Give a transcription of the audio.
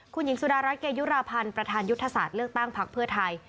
คุณหญิงสุดารัฐเกยุราพันธ์ประธานยุทธศาสตร์เลือกตั้งพักเพื่อไทย